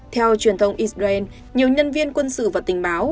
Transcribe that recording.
theo truyền thông israel nhiều nhân viên quân sự và tình báo